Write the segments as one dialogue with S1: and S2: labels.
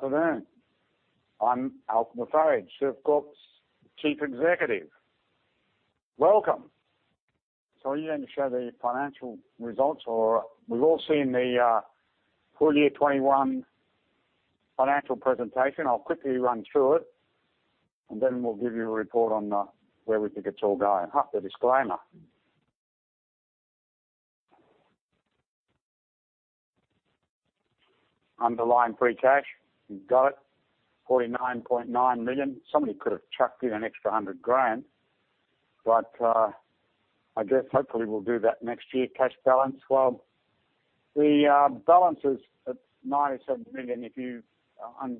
S1: Good afternoon. I'm Alf Moufarrige, Servcorp's Chief Executive. Welcome. Are you going to show the financial results, or we've all seen the full year 2021 financial presentation. I'll quickly run through it, and then we'll give you a report on where we think it's all going. The disclaimer. Underlying free cash, you got it. 49.9 million. Somebody could have chucked in an extra 100,000, but I guess hopefully we'll do that next year. Cash balance. Well, the balance is at 97 million.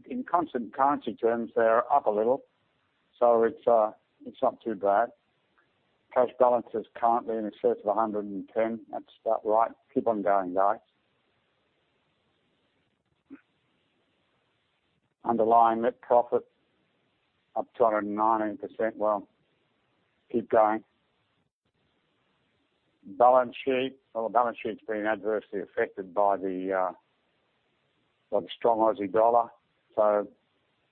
S1: In constant currency terms, they're up a little. It's not too bad. Cash balance is currently in excess of 110 million. That's about right. Keep on going, guys. Underlying net profit, up 219%. Well, keep going. Balance sheet. Well, the balance sheet's been adversely affected by the strong Australian dollar.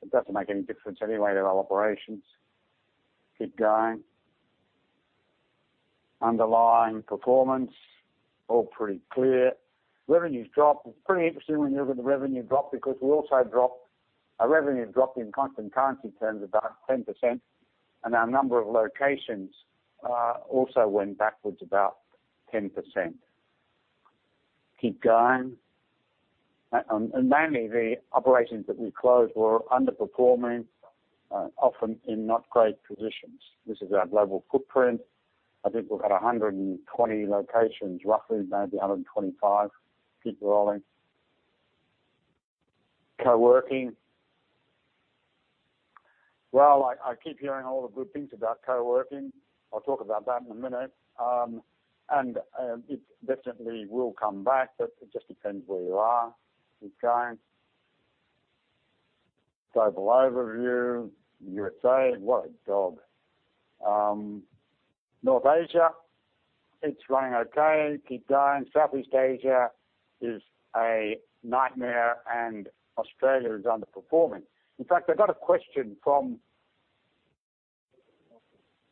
S1: It doesn't make any difference anyway to our operations. Keep going. Underlying performance, all pretty clear. Revenue's dropped. It's pretty interesting when you look at the revenue drop because our revenue dropped in constant currency terms about 10%, and our number of locations also went backwards about 10%. Keep going. Mainly, the operations that we closed were underperforming, often in not great positions. This is our global footprint. I think we've got 120 locations, roughly maybe 125 locations. Keep rolling. Co-working. Well, I keep hearing a lot of good things about Coworking. I'll talk about that in a minute. It definitely will come back, but it just depends where you are. Keep going. Global overview. U.S.A., what a dog. North Asia, it's running okay. Keep going. Southeast Asia is a nightmare and Australia is underperforming. In fact, I got a question from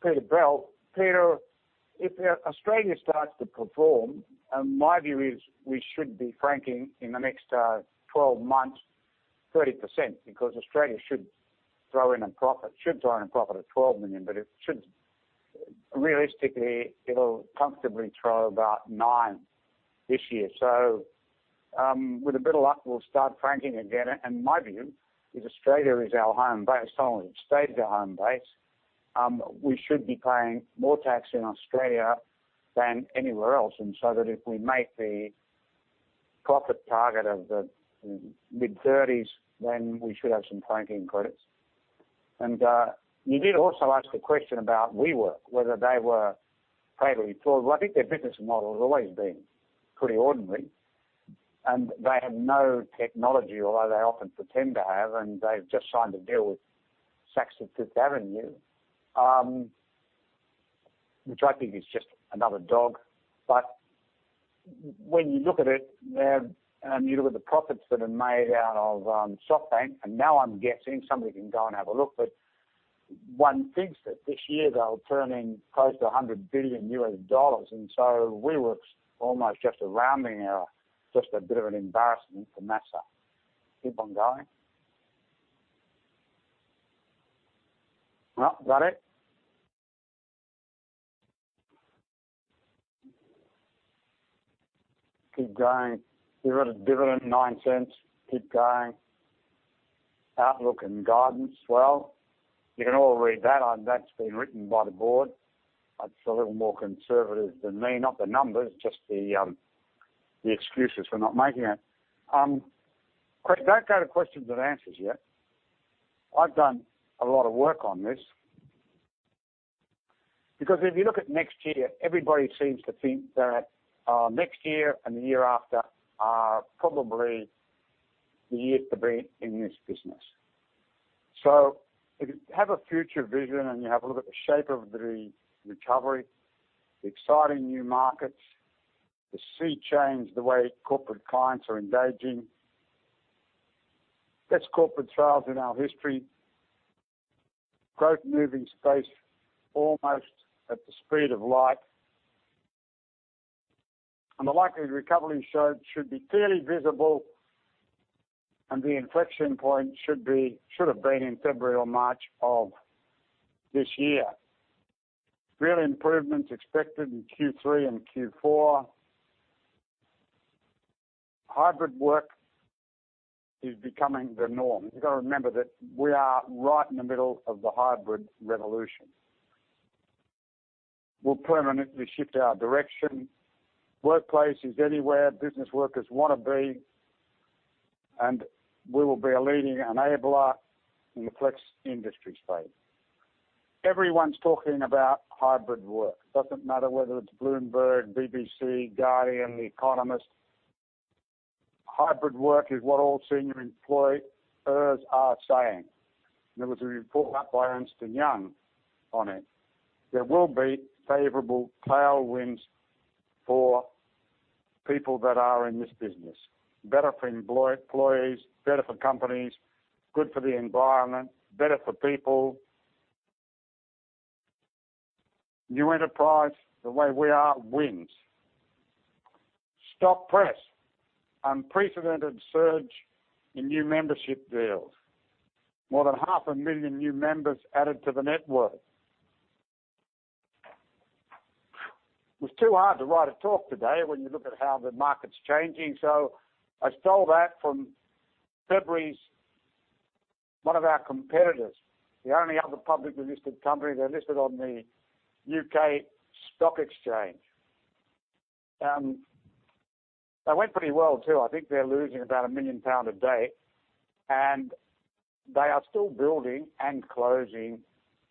S1: Peter Bell. Peter, if Australia starts to perform, my view is we should be franking in the next 12 months, 30%, because Australia should throw in a profit of 12 million, but realistically, it'll comfortably throw about 9 this year. With a bit of luck, we'll start franking again. My view is Australia is our home base. It's always stayed our home base. We should be paying more tax in Australia than anywhere else. If we make the profit target of the mid-30%s, then we should have some franking credits. You did also ask a question about WeWork, whether they were fatally flawed. Well, I think their business model has always been pretty ordinary, and they have no technology although they often pretend to have, and they've just signed a deal with Saks Fifth Avenue, which I think is just another dog. When you look at it, and you look at the profits that are made out of SoftBank, and now I'm guessing somebody can go and have a look, but one thinks that this year they'll turn in close to $100 billion. WeWork's almost just a rounding error, just a bit of an embarrassment for Masa. Keep on going. No, got it? Keep going. We're at a dividend of AUD 0.09. Keep going. Outlook and guidance. Well, you can all read that. That's been written by the board. It's a little more conservative than me, not the numbers, just the excuses for not making it. Don't go to questions and answers yet. I've done a lot of work on this. If you look at next year, everybody seems to think that next year and the year after are probably the years to be in this business. If you have a future vision and you have a look at the shape of the recovery, the exciting new markets, the sea change, the way corporate clients are engaging. Best corporate clients in our history. Growth moving space almost at the speed of light. The likelihood of recovery should be clearly visible, and the inflection point should have been in February or March of this year. Real improvements expected in Q3 and Q4. hybrid work is becoming the norm. You've got to remember that we are right in the middle of the hybrid revolution, will permanently shift our direction. Workplace is anywhere business workers want to be, and we will be a leading enabler in the flex industry space. Everyone's talking about hybrid work. Doesn't matter whether it's Bloomberg, BBC, Guardian, The Economist. Hybrid work is what all senior employers are saying. There was a report out by Ernst & Young on it. There will be favorable tailwinds for people that are in this business. Better for employees, better for companies, good for the environment, better for people. New enterprise, the way we are, wins. Stop press. Unprecedented surge in new membership deals. More than 500,000 new members added to the network. It's too hard to write a talk today when you look at how the market's changing. I stole that from Regus, one of our competitors, the only other publicly listed company. They're listed on the London Stock Exchange. They went pretty well, too. I think they're losing about 1 million pound a day, and they are still building and closing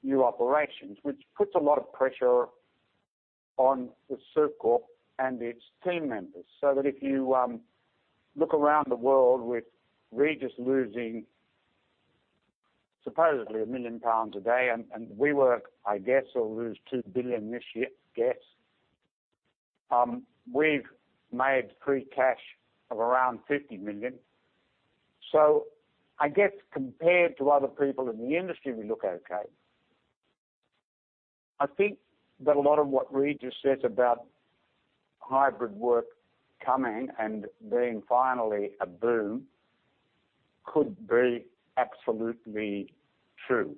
S1: new operations, which puts a lot of pressure on Servcorp and its team members, so that if you look around the world with Regus losing supposedly 1 million pounds a day, and WeWork, I guess, will lose $2 billion this year. Guess. We've made free cash of around 50 million. I guess compared to other people in the industry, we look okay. I think that a lot of what Regus says about hybrid work coming and being finally a boom could be absolutely true.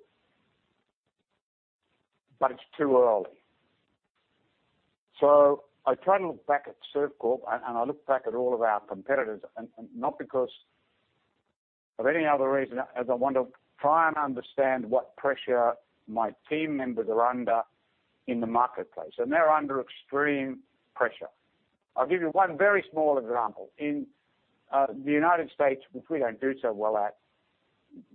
S1: It's too early. I try to look back at Servcorp, and I look back at all of our competitors, and not because of any other reason as I want to try and understand what pressure my team members are under in the marketplace. They're under extreme pressure. I'll give you one very small example. In the U.S., which we don't do so well at,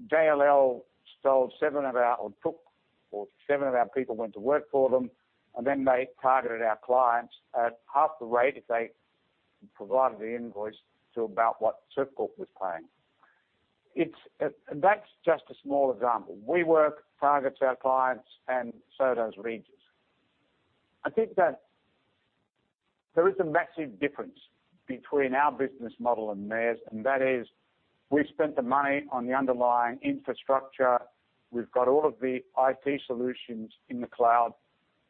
S1: JLL stole seven of our people went to work for them, and then they targeted our clients at half the rate if they provided the invoice to about what Servcorp was paying. That's just a small example. WeWork targets our clients, so does Regus. I think that there is a massive difference between our business model and theirs, that is we've spent the money on the underlying infrastructure. We've got all of the IT solutions in the cloud.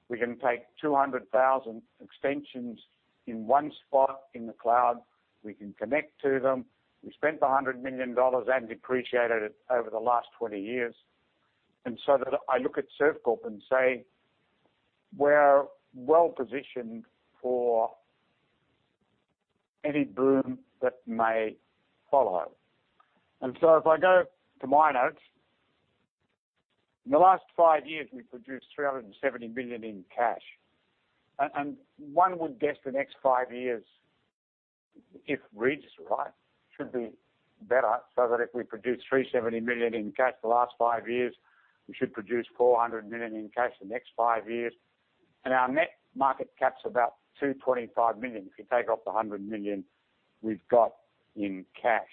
S1: We can take 200,000 extensions in one spot in the cloud. We can connect to them. We spent 100 million dollars and depreciated it over the last 20 years. That I look at Servcorp and say we're well-positioned for any boom that may follow. If I go to my notes, in the last five years, we produced 370 million in cash. One would guess the next five years, if Regus is right, should be better, so that if we produce 370 million in cash the last five years, we should produce 400 million in cash the next five years. Our net market cap's about 225 million, if you take off the 100 million we've got in cash.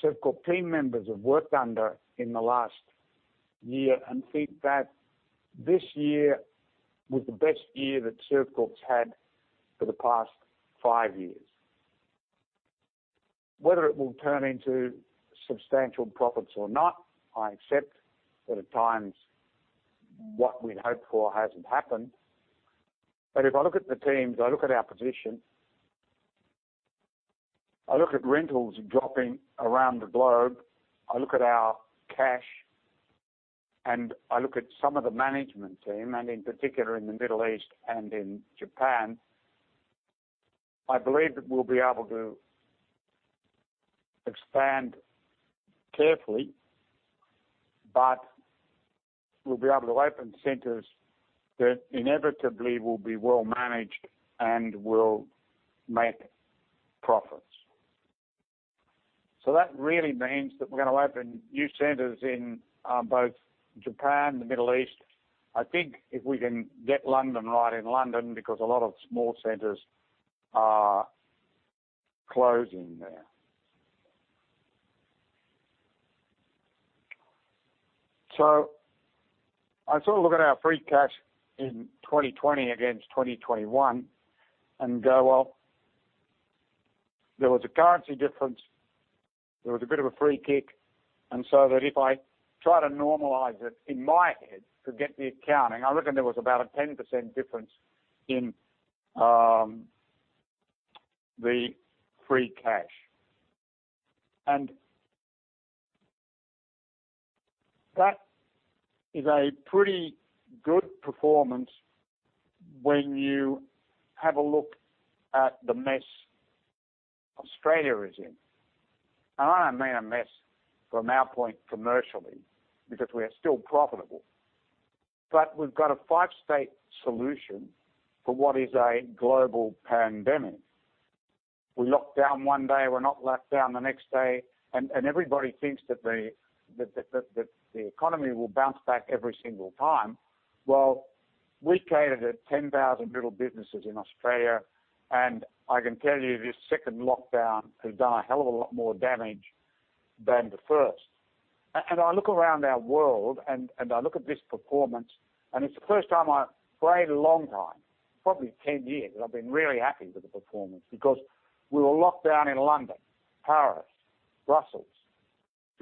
S1: I look at the amount of pressure the Servcorp team members have worked under in the last year and think that this year was the best year that Servcorp's had for the past five years. Whether it will turn into substantial profits or not, I accept that at times what we'd hoped for hasn't happened. If I look at the teams, I look at our position, I look at rentals dropping around the globe, I look at our cash, and I look at some of the management team, and in particular in the Middle East and in Japan, I believe that we'll be able to expand carefully, but we'll be able to open centers that inevitably will be well managed and will make profits. That really means that we're going to open new centers in both Japan and the Middle East. I think if we can get London right, because a lot of small centers are closing there. I look at our free cash in 2020 against 2021 and go, well, there was a currency difference. There was a bit of a free kick. If I try to normalize it in my head, forget the accounting, I reckon there was about a 10% difference in the free cash. That is a pretty good performance when you have a look at the mess Australia is in. I mean a mess from our point commercially because we are still profitable. We've got a five-state solution for what is a global pandemic. We lock down one day, we're not locked down the next day. Everybody thinks that the economy will bounce back every single time. Well, we catered at 10,000 little businesses in Australia. I can tell you this second lockdown has done a hell of a lot more damage than the first. I look around our world and I look at this performance, it's the first time I've prayed a long time, probably 10 years, that I've been really happy with the performance because we were locked down in London, Paris, Brussels,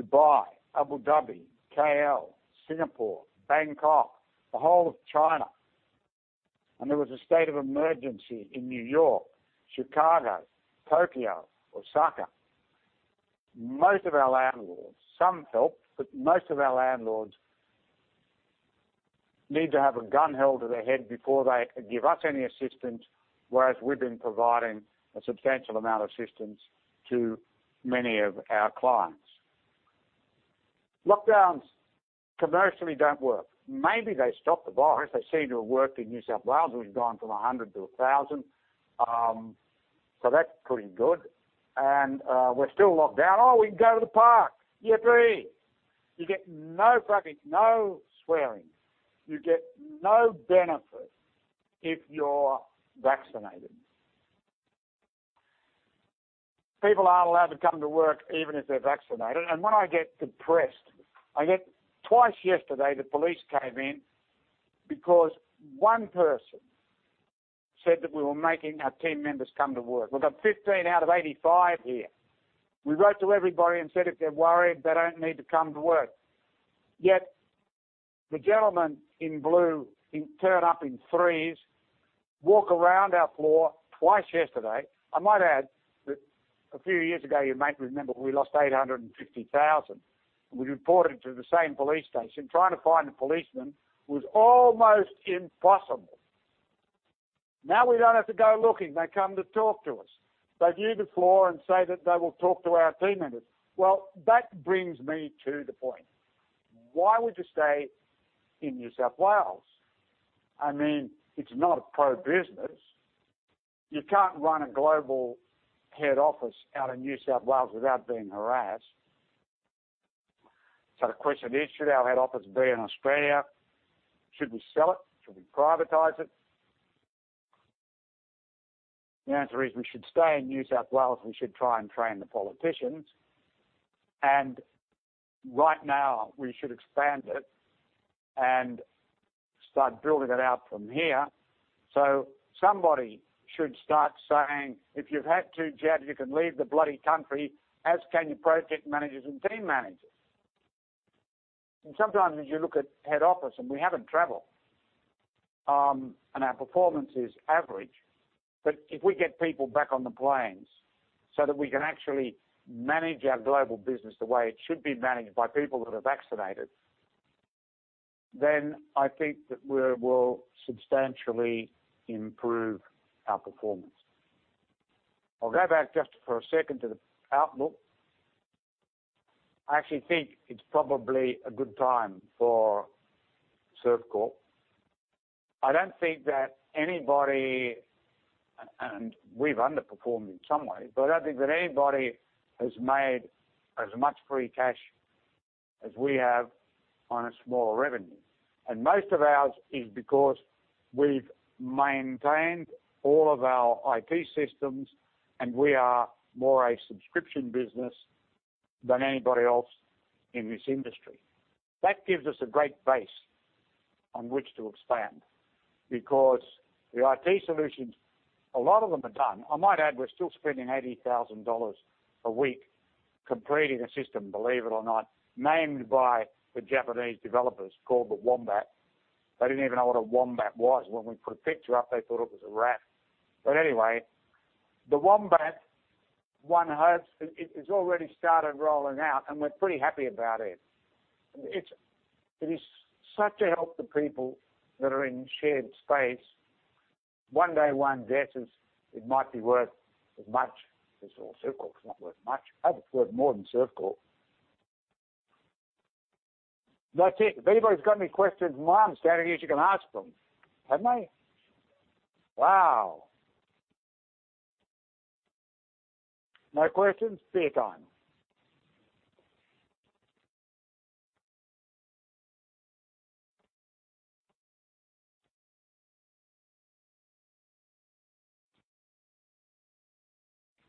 S1: Dubai, Abu Dhabi, KL, Singapore, Bangkok, the whole of China. There was a state of emergency in New York, Chicago, Tokyo, Osaka. Most of our landlords, some helped, most of our landlords need to have a gun held to their head before they give us any assistance, whereas we've been providing a substantial amount of assistance to many of our clients. Lockdowns commercially don't work. Maybe they stop the virus. They seem to have worked in New South Wales. We've gone from 100 to 1,000. That's pretty good. We're still locked down. "Oh, we can go to the park." Yippee. You get no fucking, no swearing. You get no benefit if you're vaccinated. People are allowed to come to work even if they're vaccinated. When I get depressed, twice yesterday, the police came in because one person said that we were making our team members come to work. We've got 15 out of 85 here. We wrote to everybody and said if they're worried, they don't need to come to work. The gentleman in blue, turn up in threes, walk around our floor twice yesterday. I might add that a few years ago, you might remember, we lost 850,000, and we reported to the same police station. Trying to find a policeman was almost impossible. Now we don't have to go looking. They come to talk to us. They view the floor and say that they will talk to our team members. Well, that brings me to the point. Why would you stay in New South Wales? It's not a pro-business. You can't run a global head office out of New South Wales without being harassed. The question is, should our head office be in Australia? Should we sell it? Should we privatize it? The answer is we should stay in New South Wales. We should try and train the politicians. Right now, we should expand it and start building it out from here. Somebody should start saying, "If you've had two jabs, you can leave the bloody country, as can your project managers and team managers." Sometimes as you look at head office and we haven't traveled, and our performance is average, but if we get people back on the planes so that we can actually manage our global business the way it should be managed by people that are vaccinated, then I think that we will substantially improve our performance. I'll go back just for a second to the outlook. I actually think it's probably a good time for Servcorp. I don't think that anybody, and we've underperformed in some ways, but I don't think that anybody has made as much free cash as we have on a smaller revenue. Most of ours is because we've maintained all of our IT systems, and we are more a subscription business than anybody else in this industry. That gives us a great base on which to expand because the IT solutions, a lot of them are done. I might add, we're still spending 80,000 dollars a week completing a system, believe it or not, named by the Japanese developers called the Wombat. They didn't even know what a wombat was. When we put a picture up, they thought it was a rat. Anyway, the Wombat 1.0, it has already started rolling out, and we're pretty happy about it. It is such a help to people that are in shared space. One day, one desk, it might be worth as much as all Servcorp. It's not worth much. I hope it's worth more than Servcorp. That's it. If anybody's got any questions, from what I understand, is you can ask them. Have they? Wow. No questions? Beer time.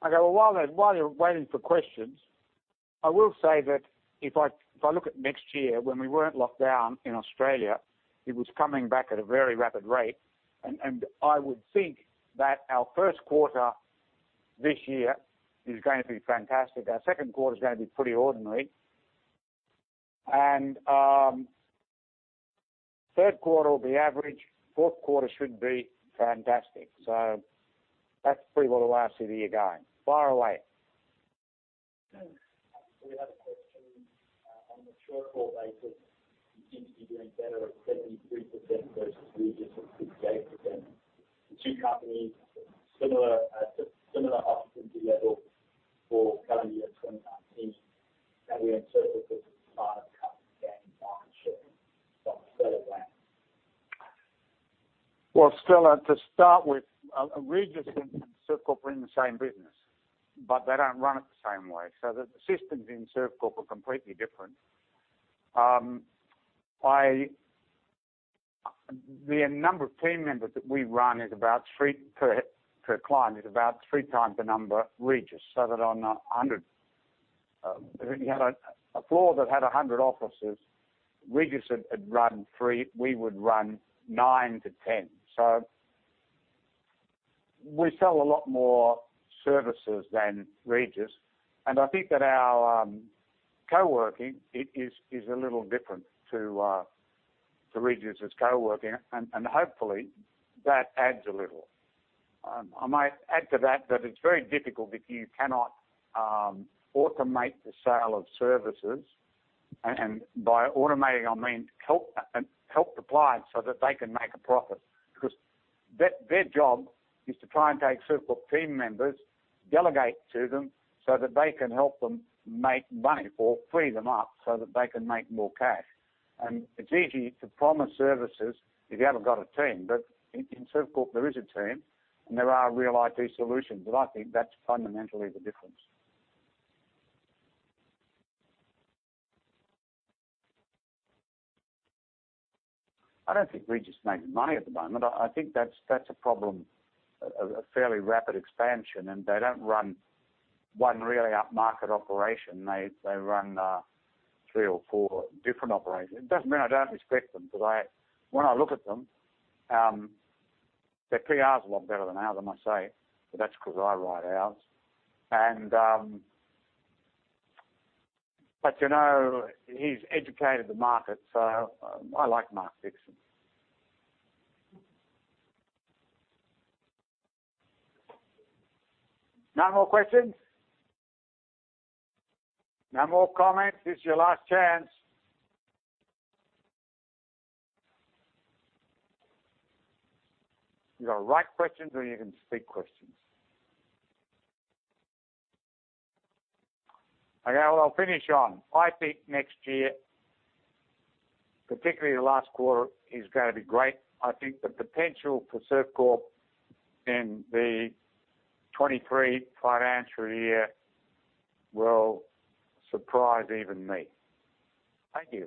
S1: Okay. Well, while you're waiting for questions, I will say that if I look at next year, when we weren't locked down in Australia, it was coming back at a very rapid rate, and I would think that our first quarter this year is going to be fantastic. Our second quarter is going to be pretty ordinary. Third quarter will be average. Fourth quarter should be fantastic. That's pretty well the rest of the year going. Fire away.
S2: We have a question. On the short call basis, you seem to be doing better at 73% versus Regus at 58%. The two companies, similar occupancy level for current year 2019. How do you interpret this as part of cutting down on shipping from a seller's end?
S1: Stella, to start with, Regus and Servcorp are in the same business. They don't run it the same way. The systems in Servcorp are completely different. The number of team members that we run per client is about three times the number Regus. That on 100, if you had a floor that had 100 offices, Regus had run three, we would run 9-10. We sell a lot more services than Regus, and I think that our co-working is a little different to Regus' co-working, and hopefully that adds a little. I might add to that it's very difficult if you cannot automate the sale of services, and by automating, I mean help the client so that they can make a profit. Their job is to try and take Servcorp team members, delegate to them so that they can help them make money or free them up so that they can make more cash. It's easy to promise services if you haven't got a team. In Servcorp, there is a team and there are real IT solutions, and I think that's fundamentally the difference. I don't think Regus is making money at the moment. I think that's a problem of a fairly rapid expansion, and they don't run one really upmarket operation. They run three or four different operations. It doesn't mean I don't respect them, because when I look at them, their PR is a lot better than ours, I must say, but that's because I write ours. He's educated the market, so I like Mark Dixon. No more questions? No more comments? This is your last chance. You got write questions or you can speak questions. Okay, well, I'll finish on. I think next year, particularly the last quarter, is going to be great. I think the potential for Servcorp in the 2023 financial year will surprise even me. Thank you